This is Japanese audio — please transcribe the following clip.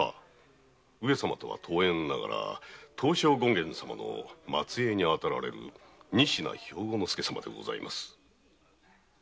上様とは遠縁ながら東照権現様の末裔に当たられる仁科兵庫介様でございます。